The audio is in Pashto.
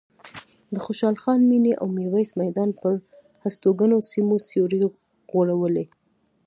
د خوشحال خان مېنې او میرویس میدان پر هستوګنو سیمو سیوری غوړولی.